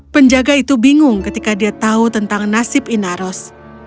penjaga itu bingung ketika dia tahu tentang nasib inaros